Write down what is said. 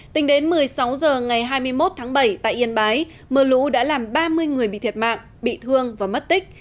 tính đến một mươi sáu h ngày hai mươi một tháng bảy tại yên bái mưa lũ đã làm ba mươi người bị thiệt mạng bị thương và mất tích